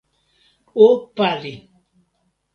o pali!